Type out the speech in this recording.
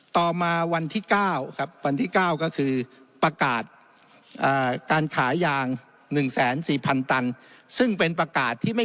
ต่อมาวันที่๙ครับวันที่๙ก็คือประกาศการขายยาง๑แสน๔พันตัน